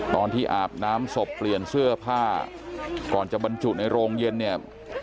อาบน้ำศพเปลี่ยนเสื้อผ้าก่อนจะบรรจุในโรงเย็นเนี่ย